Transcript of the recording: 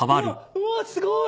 うわっすごーい！